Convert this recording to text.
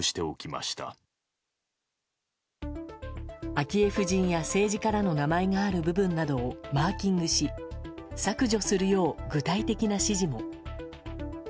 昭恵夫人や政治家らの名前がある部分などをマーキングし削除するよう具体的な指示も。